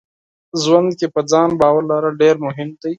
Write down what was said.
ژوند کې په ځان باور لرل ډېر مهم دي.